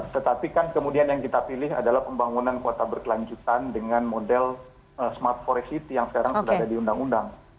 tetapi kan kemudian yang kita pilih adalah pembangunan kota berkelanjutan dengan model smart forest city yang sekarang sudah ada di undang undang